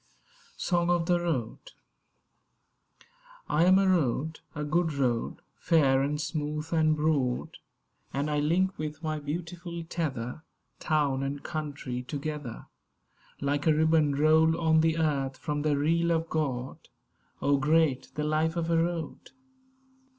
SONG OF THE ROAD I AM a Road; a good road, fair and smooth and broad; And I link with my beautiful tether Town and Country together, Like a ribbon rolled on the earth, from the reel of God. Oh, great the life of a Road!